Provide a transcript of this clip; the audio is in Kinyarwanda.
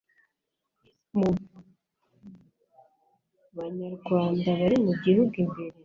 mu Banyarwanda bari mu gihugu imbere